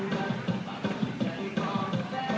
เก็บไหล่เก็บไหล่